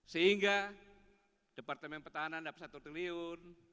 sehingga departemen pertahanan dapat satu triliun